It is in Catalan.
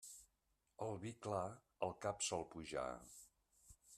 El vi clar al cap sol pujar.